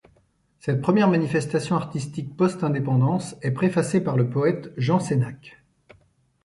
Cette première manifestation artistique post-indépendance est préfacée par le poète Jean Sénac.